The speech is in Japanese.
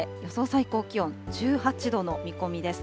最高気温１８度の見込みです。